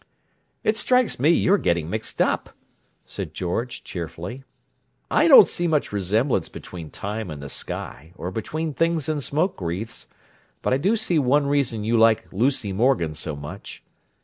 "It strikes me you're getting mixed up," said George cheerfully. "I don't see much resemblance between time and the sky, or between things and smoke wreaths; but I do see one reason you like Lucy Morgan so much.